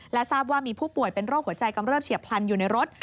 ทราบว่ามีผู้ป่วยเป็นโรคหัวใจกำเริบเฉียบพลันอยู่ในรถ